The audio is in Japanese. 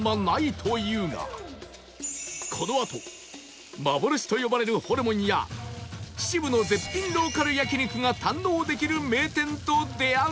このあと幻と呼ばれるホルモンや秩父の絶品ローカル焼肉が堪能できる名店と出会う事に